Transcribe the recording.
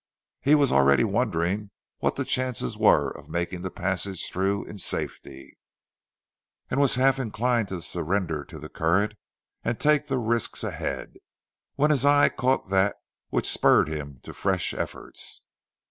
He was already wondering what the chances were of making the passage through in safety, and was half inclined to surrender to the current and take the risks ahead, when his eye caught that which spurred him to fresh efforts.